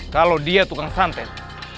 kalau dia tukang santet